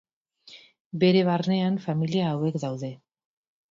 Bere barnean familia hauek daude.